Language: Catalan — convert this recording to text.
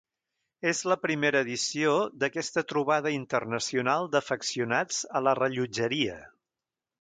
És la primera edició d’aquesta trobada internacional d’afeccionats a la rellotgeria.